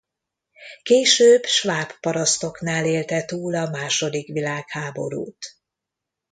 Később sváb parasztoknál élte túl a második világháborút.